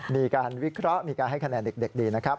มีการวิเคราะห์มีการให้คะแนนเด็กดีนะครับ